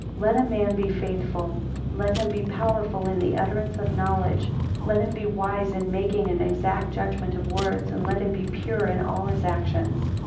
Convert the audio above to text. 30 Let a man be faithful, let him be powerful in the utterance of knowledge; let him be wise in making an exact judgment of words; let him be pure in all his actions.